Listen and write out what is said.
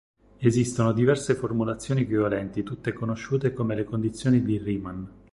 Esistono diverse formulazioni equivalenti tutte conosciute come le "condizioni di Riemann".